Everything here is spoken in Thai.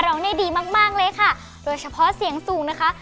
ร้องได้ดีมากมากเลยค่ะโดยเฉพาะเสียงสูงนะคะ